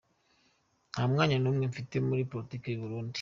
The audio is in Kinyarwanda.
Nta mwanya n’umwe mfite muri Politiki y’Uburundi.